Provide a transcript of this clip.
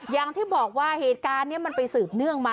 อย่างที่บอกว่าเหตุการณ์นี้มันไปสืบเนื่องมา